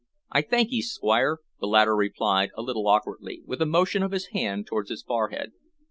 "I thankee, Squire," the latter replied a little awkwardly, with a motion of his hand towards his forehead.